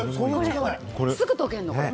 すぐ溶けるの、これ。